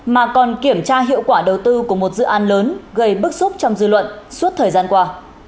mà còn kiểm tra hiệu quả đầu tư của một dự án lớn gây bức xúc trong dư luận suốt thời gian qua